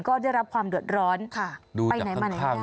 ก็ได้รับความเดือดร้อนไปไหนมาไหนได้ค่ะค่ะดูจากข้าง